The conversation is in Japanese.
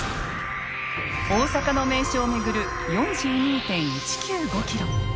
大阪の名所を巡る４２．１９５ｋｍ。